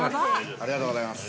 ◆ありがとうございます。